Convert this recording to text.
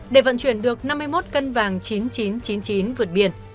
để vận chuyển được năm mươi một cân vàng chín nghìn chín trăm chín mươi chín vượt biển